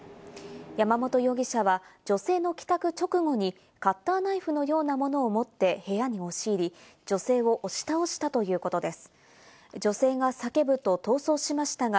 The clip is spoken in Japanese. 山本容疑者は女性の帰宅直後にカッターナイフのようなものを持って部屋に押し入り、女性を押し倒したということです。